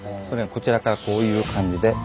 それがこちらからこういう感じで。